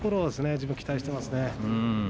自分は期待しています。